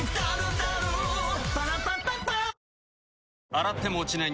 洗っても落ちない